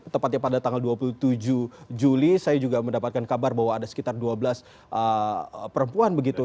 tepatnya pada tanggal dua puluh tujuh juli saya juga mendapatkan kabar bahwa ada sekitar dua belas perempuan begitu